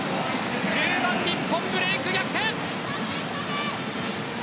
中盤で日本がブレーク、逆転。